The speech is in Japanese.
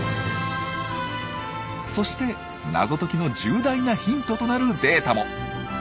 そして謎解きの重大なヒントとなるデータも。